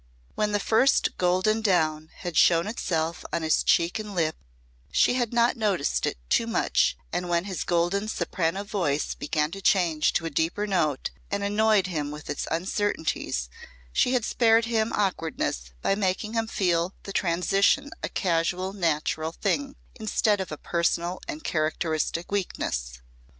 When the first golden down had shown itself on his cheek and lip she had not noticed it too much and when his golden soprano voice began to change to a deeper note and annoyed him with its uncertainties she had spared him awkwardness by making him feel the transition a casual natural thing, instead of a personal and characteristic weakness.